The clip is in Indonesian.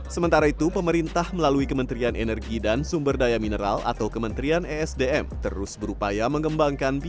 sementara itu pemerintah melalui kementerian energi dan sumber daya mineral atau kementerian esdm terus berupaya mengembangkan bisnis